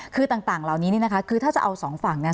คือต่างเหล่านี้นี่นะคะคือถ้าจะเอาสองฝั่งเนี่ย